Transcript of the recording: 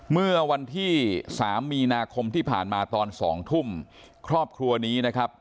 เมื่อวันที่สามมีนาคมที่ผ่านมาตอนสองทุ่มครอบครัวนี้นะครับ